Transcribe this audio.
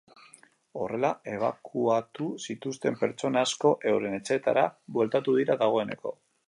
Horrela, ebakuatu zituzten pertsona asko euren etxeetara bueltatu dira dagoeneko.